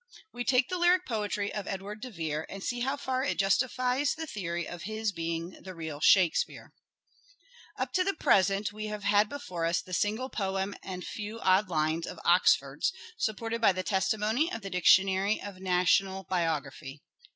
We take the lyric poetry of Edward de Vere and see how far it justifies the theory of his being the real "Shakespeare." Expert Up to the present we have had before us the single poem and a few odd lines of Oxford's supported by the testimony of the Dictionary of National Biography.